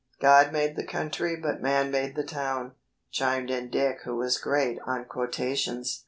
"God made the country but man made the town," chimed in Dick who was great on quotations.